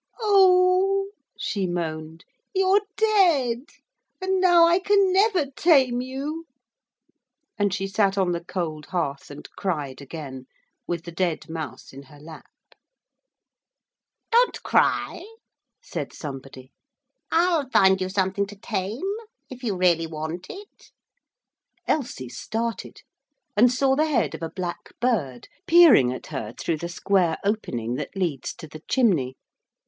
'Oh,' she moaned, 'you're dead, and now I can never tame you'; and she sat on the cold hearth and cried again, with the dead mouse in her lap. 'Don't cry,' said somebody. 'I'll find you something to tame if you really want it.' Elsie started and saw the head of a black bird peering at her through the square opening that leads to the chimney.